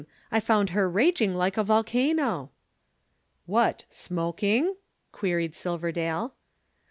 I found her raging like a volcano." "What smoking?" queried Silverdale.